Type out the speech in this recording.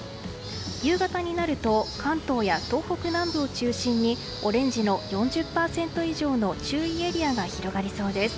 夕方になると関東や東北南部を中心にオレンジの４０％以上の注意エリアが広がりそうです。